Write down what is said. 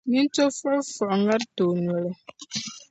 nintɔfuɣifuɣi ŋariti o noli.